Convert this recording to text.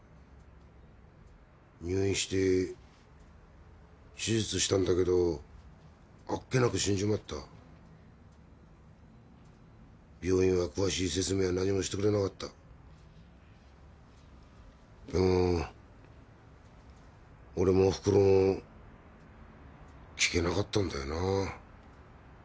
入院して手術したんだけどあっけなく死んじまった病院は詳しい説明は何もしてくれなかったでも俺もおふくろも聞けなかったんだよな